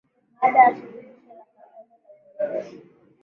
Baada ya Shirikisho la Kandanda la Uingereza